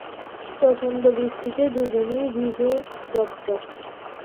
প্রচণ্ড বৃষ্টিতে দুজনেই ভিজে জবজব।